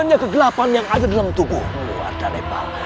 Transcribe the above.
hanya kegelapan yang ada dalam tubuhmu ada lepa